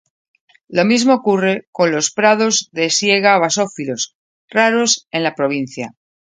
Lo mismo ocurre con los prados de siega basófilos, raros en la provincia.